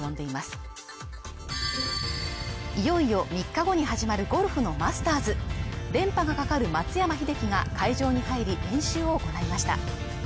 いよいよ３日後に始まるゴルフのマスターズ連覇がかかる松山英樹が会場に入り練習を行いました